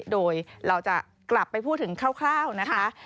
โดยเราจะกลับไปพูดถึงคร่าวนะคะ